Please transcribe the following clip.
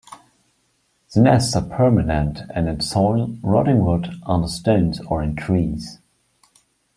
The nests are permanent and in soil, rotting wood, under stones, or in trees.